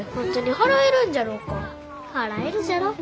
払えるじゃろ。